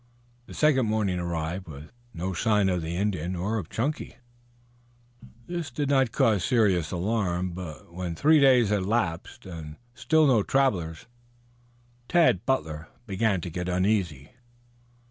The second morning arrived with no sign of the Indian or of Chunky. This did not cause serious alarm, but when three days had elapsed, and still no travelers, Tad Butler began to get uneasy.